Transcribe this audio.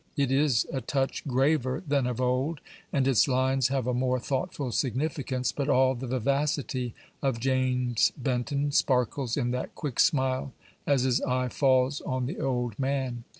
It is a touch graver than of old, and its lines have a more thoughtful significance; but all the vivacity of James Benton sparkles in that quick smile as his eye falls on the old man.